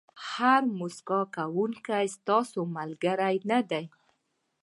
هر موسکا کوونکی ستاسو ملګری نه دی.